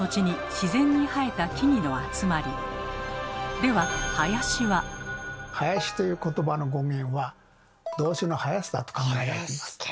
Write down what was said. では「林」ということばの語源は動詞の「生やす」だと考えられています。